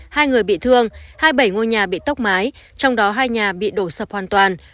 hai người bị thương hai mươi bảy ngôi nhà bị tốc mái trong đó hai nhà bị đổ sập hoàn toàn